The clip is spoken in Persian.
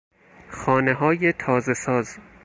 خانههای تازه ساز